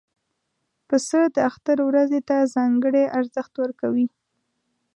پسه د اختر ورځې ته ځانګړی ارزښت ورکوي.